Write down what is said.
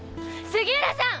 杉浦さん！